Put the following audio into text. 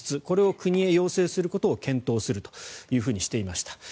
これを国へ要請することを検討するとしていました。